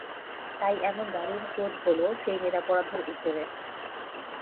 তাই এমন দারুণ ক্রোধ হল সেই নিরপরাধের উপরে।